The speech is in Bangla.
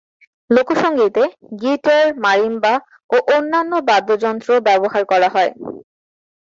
লোকসঙ্গীতে গিটার, মারিম্বা ও অন্যান্য বাদ্যযন্ত্র ব্যবহার করা হয়।